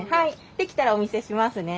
できたらお見せしますね。